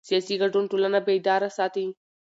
سیاسي ګډون ټولنه بیداره ساتي